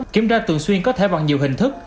kiểm tra thường xuyên có thể bằng nhiều hình thức